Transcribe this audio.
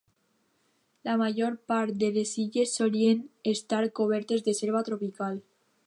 La major part de les illes solien estar cobertes de selva tropical.